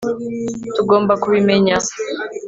Tugomba kubimenya